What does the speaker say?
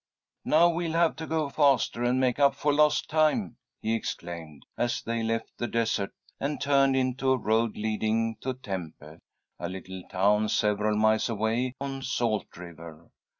"Now, we'll have to go faster and make up for lost time," he exclaimed, as they left the desert and turned into a road leading to Tempe, a little town several miles away on Salt River.